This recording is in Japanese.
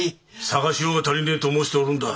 捜しようが足りねえと申しておるのだ。